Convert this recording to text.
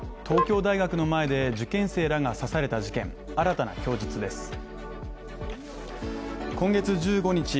東京大学の前で受験生らが刺された事件で、新たな供述です。